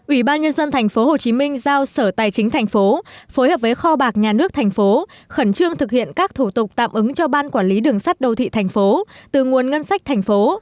ủy ban nhân dân tp hcm giao sở tài chính thành phố phối hợp với kho bạc nhà nước thành phố khẩn trương thực hiện các thủ tục tạm ứng cho ban quản lý đường sắt đô thị thành phố từ nguồn ngân sách thành phố